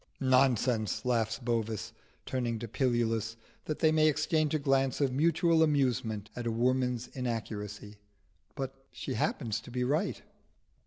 "Nonsense!" laughs Bovis, turning to Pilulus, that they may exchange a glance of mutual amusement at a woman's inaccuracy. But she happened to be right.